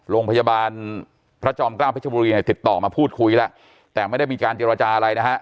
โรงพยาบาลพระจอมเกล้าเพชรบุรีเนี่ยติดต่อมาพูดคุยแล้วแต่ไม่ได้มีการเจรจาอะไรนะฮะ